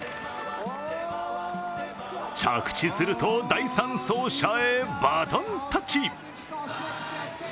着地すると第３走者へバトンタッチ。